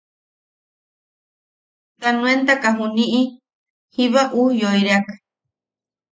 Ta nuentaka juniʼi, jiba ujyoireak.